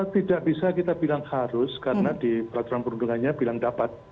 tidak bisa kita bilang harus karena di peraturan perundungannya bilang dapat